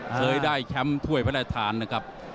เลยได้แชมผ้วยมารัฐานนะครับ